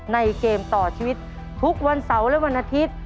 เกมต่อชีวิตทุกวันเสาร์และวันอาทิตย์